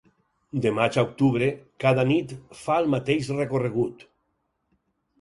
De maig a octubre, cada nit fa el mateix recorregut.